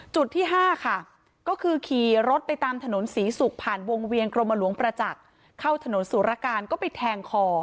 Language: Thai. จุดที่๕ค่ะก็คือขี่รถไปตามถนนศรีศุกร์ผ่านวงเวียนกรมหลวงประจักษ์เข้าถนนสุรการก็ไปแทงคอ